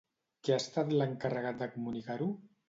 Qui ha estat l'encarregat de comunicar-ho?